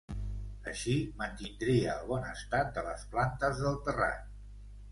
Així mantindria el bon estat de les plantes del terrat.